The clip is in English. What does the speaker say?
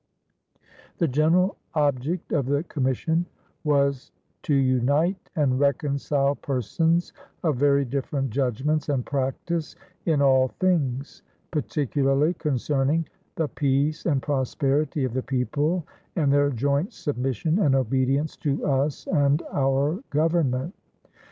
The general object of the commission was "to unite and reconcile persons of very different judgments and practice in all things," particularly concerning "the peace and prosperity of the people and their joint submission and obedience to us and our government."